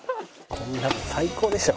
こんなの最高でしょ。